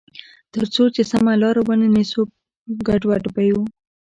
تر څو چې سمه لار ونه نیسو، ګډوډ به یو.